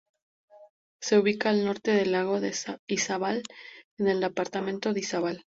Se ubica al norte del lago de Izabal, en el departamento de Izabal.